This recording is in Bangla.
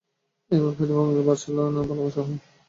এই ভাব হইতে ভগবানকে বাৎসল্যভাবে ভালবাসা হয়।